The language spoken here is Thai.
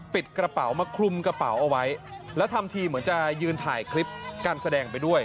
กระเป๋ามาคลุมกระเป๋าเอาไว้แล้วทำทีเหมือนจะยืนถ่ายคลิปการแสดงไปด้วย